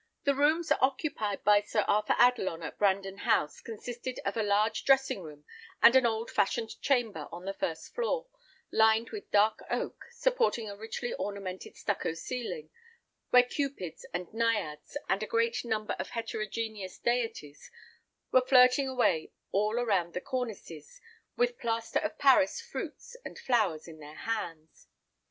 The rooms occupied by Sir Arthur Adelon at Brandon House consisted of a large dressing room, and an old fashioned chamber on the first floor, lined with dark oak, supporting a richly ornamented stucco ceiling, where cupids and naiads, and a great number of heterogeneous deities, were flirting away all round the cornices, with plaster of Paris fruits and flowers in their hands.